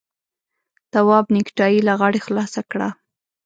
تواب نېکټايي له غاړې خلاصه کړه.